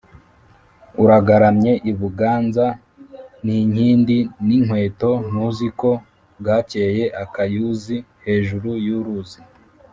Uragaramye i Buganza n'inkindi n'inkweto ntuzi ko bwakeye.-Akayuzi hejuru y'uruzi.